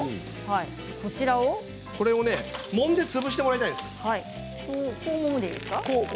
こちらを、もんで潰してもらいたいんです。